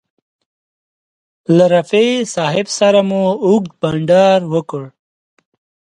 له رفیع صاحب سره مو اوږد بنډار وکړ.